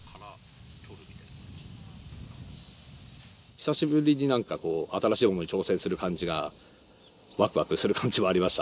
久しぶりに何かこう新しいものに挑戦する感じがワクワクする感じがありました。